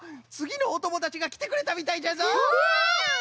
つぎのおともだちがきてくれたみたいじゃぞ！